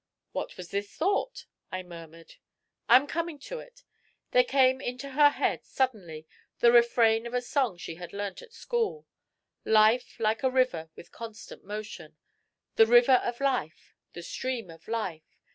"What was this thought?" I murmured. "I am coming to it. There came into her head suddenly the refrain of a song she had learnt at school: 'Life like a river with constant motion.' 'The river of life! The stream of life!